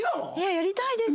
やりたいです。